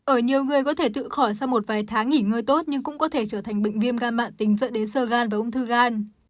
ở nhiều người có thể tự khỏi sau một vài tháng nghỉ ngơi tốt nhưng cũng có thể trở thành bệnh viêm gan mạng tính dẫn đến sơ gan và ung thư gan